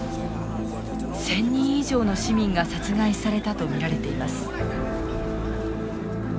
１，０００人以上の市民が殺害されたと見られています。